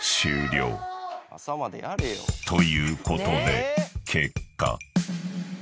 ［ということで結果］